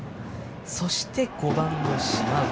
そして、５番の島内。